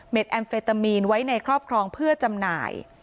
แอมเฟตามีนไว้ในครอบครองเพื่อจำหน่าย